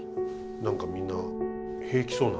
何かみんな平気そうなんです。